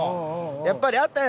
やっぱりあったやん